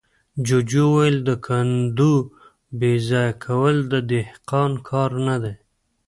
جوجو وويل: د کندو بېځايه کول د دهقان کار نه دی.